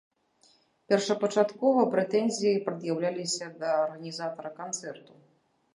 Першапачаткова прэтэнзіі прад'яўляліся да арганізатара канцэрту.